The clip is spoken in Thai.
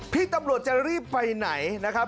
พี่ตำรวจจะรีบไปไหนนะครับ